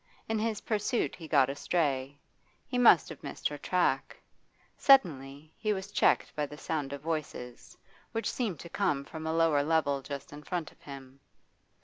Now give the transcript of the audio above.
In his pursuit he got astray; he must have missed her track. Suddenly he was checked by the sound of voices, which seemed to come from a lower level just in front of him.